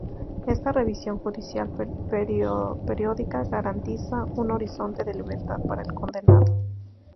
Esta revisión judicial periódica garantiza un horizonte de libertad para el condenado.